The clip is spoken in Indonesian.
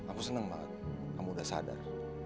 aku senang banget kamu udah sadar